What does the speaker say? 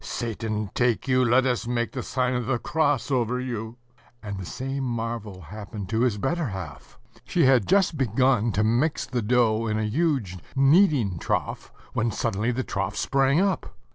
"Satan take you, let us make the sign of the cross over you!" ... And the same marvel happened to his better half. She had just begun to mix the dough in a huge kneading trough, when suddenly the trough sprang up.